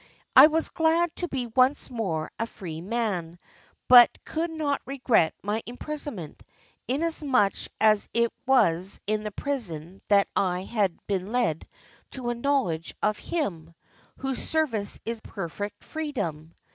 I was glad to be once more a free man, but could not regret my imprisonment, inasmuch as it was in the prison that I had been led to a knowledge of Him 'whose service is perfect freedom.